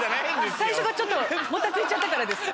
最初がちょっともたついちゃったからですか？